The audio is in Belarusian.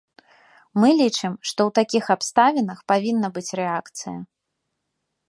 Мы лічым, што ў такіх абставінах павінна быць рэакцыя.